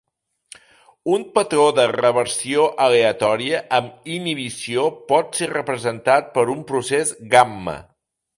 Un patró de reversió aleatòria amb inhibició pot ser representat per un procés gamma.